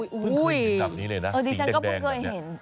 พึ่งเคยเห็นแบบนี้เลยนะสีแดงแบบนี้